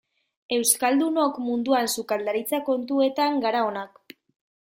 Euskaldunok munduan sukaldaritza kontuetan gara onak.